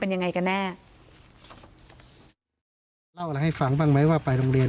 ยังไงกันแน่เล่าอะไรให้ฟังบ้างไหมว่าไปโรงเรียน